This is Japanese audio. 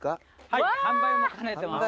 はい販売も兼ねてます。